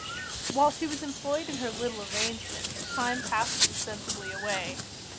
While she was employed in her little arrangements, time passed insensibly away.